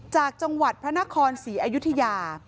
จากจังหวัดพระนครศรีอยุธยา